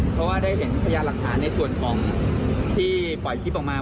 เพราะว่าได้เห็นพยานหลักฐานในส่วนของที่ปล่อยคลิปออกมา